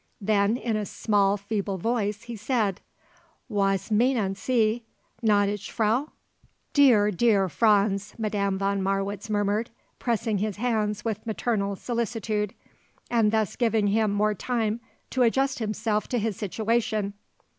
Then in a small, feeble voice he said: "Wass meinen Sie, gnädige Frau?" "Dear, dear Franz," Madame von Marwitz murmured, pressing his hands with maternal solicitude, and thus giving him more time to adjust himself to his situation.